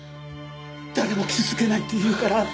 誰も傷つけないっていうから。